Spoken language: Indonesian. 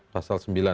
pasal sembilan ya